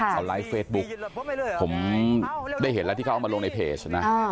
เขาไลฟ์เฟซบุ๊กผมได้เห็นแล้วที่เขาเอามาลงในเพจนะ